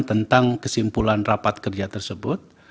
tentang kesimpulan rapat kerja tersebut